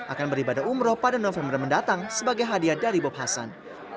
akan beribadah umroh pada november mendatang sebagai hadiah dari bob hasan